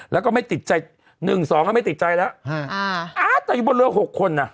แล้วก็ไม่ติดใจหนึ่งสองก็ไม่ติดใจแล้วแต่บนเลือดหกคนอ่ะ